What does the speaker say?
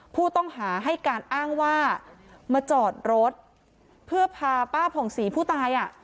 ผู้ต้องหาให้การอ้างว่ามาจอดรถเพื่อพาป้าผ่องศรีผู้ตายอ่ะ